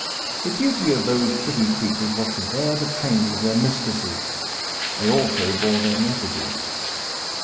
The duty of those pretty creatures was to bear the trains of their mistresses. They also bore their messages.